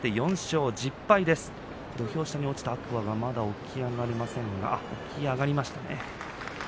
土俵下に落ちた天空海がまだ起き上がれません起き上がりました。